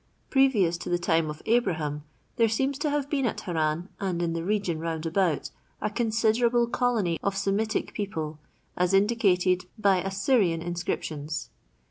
Previous to the time of Abraham, there seems to have been at Haran, and in the region round about, a considerable colony of Semitic people, as indicated by Assyrian inscriptions.